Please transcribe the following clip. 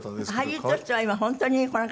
俳優としては今本当にこの方。